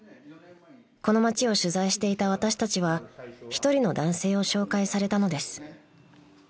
［この街を取材していた私たちは一人の男性を紹介されたのです］